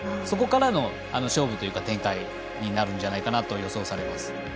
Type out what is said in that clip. そこからの勝負というか展開になるんじゃないかなと予想されます。